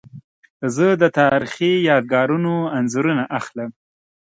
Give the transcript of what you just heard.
زه د تاریخي یادګارونو انځورونه اخلم.